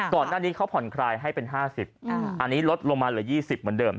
ก่อนหน้านี้เขาผ่อนคลายให้เป็น๕๐อันนี้ลดลงมาเหลือ๒๐เหมือนเดิม